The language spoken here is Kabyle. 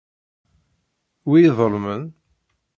Wi iḍelmen?